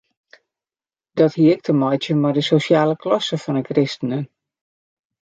Dat hie ek te meitsjen mei de sosjale klasse fan de kristenen.